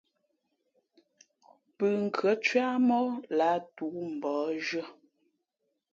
Pʉ̂nkhʉ̄ᾱ cwíáh móh lǎh toō mbαᾱ zhʉ̄ᾱ.